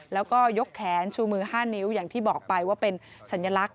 แล้วก็ยกแขนชูมือ๕นิ้วอย่างที่บอกไปว่าเป็นสัญลักษณ